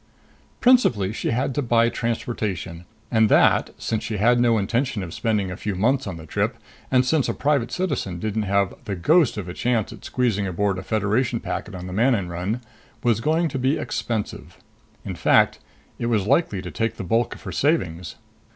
Principally, she had to buy transportation. And that since she had no intention of spending a few months on the trip, and since a private citizen didn't have the ghost of a chance at squeezing aboard a Federation packet on the Manon run was going to be expensive. In fact, it was likely to take the bulk of her savings.